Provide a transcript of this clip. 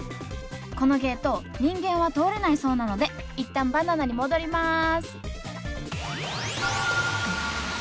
このゲート人間は通れないそうなので一旦バナナに戻ります！